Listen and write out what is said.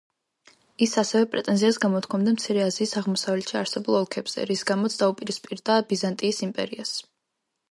ის ასევე პრეტენზიას გამოთქვამდა მცირე აზიის აღმოსავლეთში არსებულ ოლქებზე, რის გამოც დაუპირისპირდა ბიზანტიის იმპერიას.